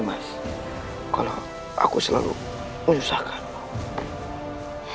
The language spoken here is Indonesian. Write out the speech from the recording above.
mas kalau aku selalu menyusahkan